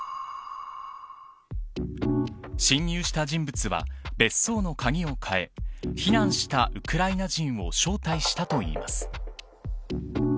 侵入した人物は別荘の鍵を変え避難したウクライナ人を招待したといいます。